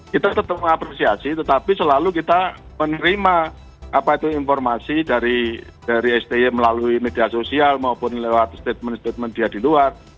kita tetap mengapresiasi tetapi selalu kita menerima apa itu informasi dari sti melalui media sosial maupun lewat statement statement dia di luar